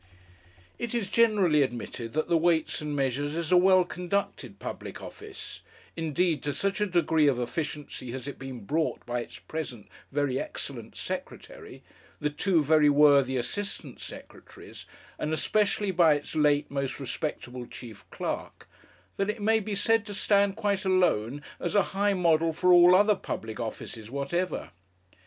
It is generally admitted that the Weights and Measures is a well conducted public office; indeed, to such a degree of efficiency has it been brought by its present very excellent secretary, the two very worthy assistant secretaries, and especially by its late most respectable chief clerk, that it may be said to stand quite alone as a high model for all other public offices whatever.